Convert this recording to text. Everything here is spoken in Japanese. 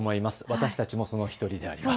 私たちもその１人であります。